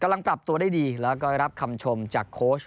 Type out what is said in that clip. กำลังปรับตัวได้ดีแล้วก็ได้รับคำชมจากโค้ช